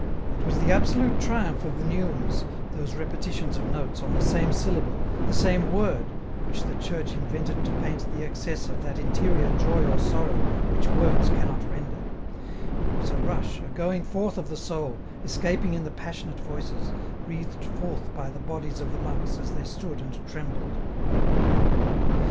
It was the absolute triumph of the neumes, those repetitions of notes on the same syllable, the same word, which the Church invented to paint the excess of that interior joy or sorrow which words cannot render ; it was a rush, a going forth of the soul, escaping in the passionate voices, breathed forth by the bodies of the monks as they stood and trembled.